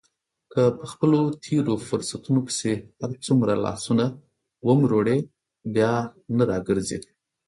که په خپلو تېرو فرصتونو پسې هرڅومره لاسونه ومروړې بیا نه را ګرځي.